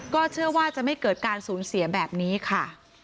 เชื่อว่าจะไม่เกิดการสูญเสียแบบนี้ค่ะ